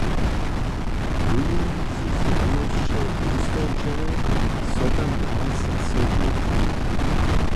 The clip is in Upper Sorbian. Jónu ze zjawnosće wustorčene so tam naraz zaso jewi.